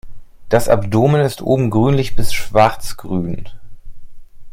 Das Abdomen ist oben grünlich bis schwarz-grün.